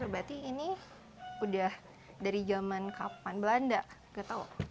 berarti ini udah dari zaman kapan belanda gak tau